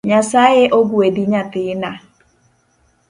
Nyasaye ogwedhi nyathina